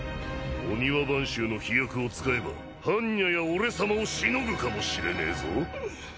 御庭番衆の秘薬を使えば般若や俺さまをしのぐかもしれねえぞ！